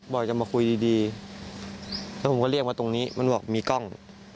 บอกจะมาคุยดีแล้วผมก็เรียกมาตรงนี้มันบอกมีกล้อง